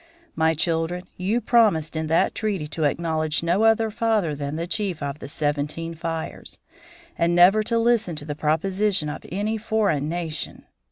"My children, you promised in that treaty to acknowledge no other father than the chief of the Seventeen Fires, and never to listen to the proposition of any foreign nation.